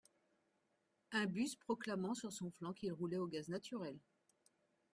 un bus proclamant sur son flanc qu’il roulait au gaz naturel